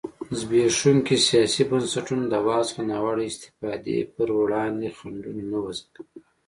زبېښونکي سیاسي بنسټونه د واک څخه ناوړه استفادې پر وړاندې خنډونه نه وضعه کوي.